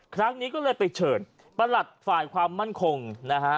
ครั้งนี้ก็เลยไปเชิญประหลัดฝ่ายความมั่นคงนะฮะ